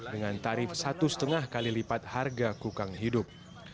dengan tarif satu lima kali lipat harga kukang hidup